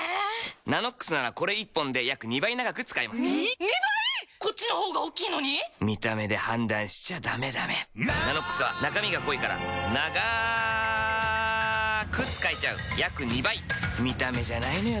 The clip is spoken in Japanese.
「ＮＡＮＯＸ」ならこれ１本で約２倍長く使えますに・・・・２倍⁉こっちの方が大きいのに⁉見た目で判断しちゃダメダメ「ＮＡＮＯＸ」は中身が濃いからながーーーく使えちゃう約２倍見た目じゃないのよ